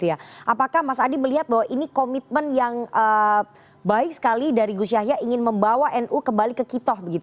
apakah mas adi melihat bahwa ini komitmen yang baik sekali dari gus yahya ingin membawa nu kembali ke kitoh